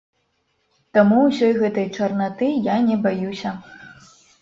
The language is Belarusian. Таму ўсёй гэтай чарнаты я не баюся.